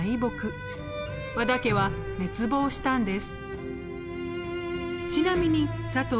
和田家は滅亡したんです。